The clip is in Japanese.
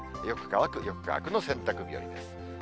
よく乾く、よく乾くの洗濯日和です。